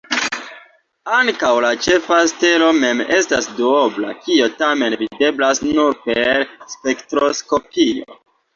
Ankaŭ la ĉefa stelo mem estas duobla, kio tamen videblas nur per spektroskopio.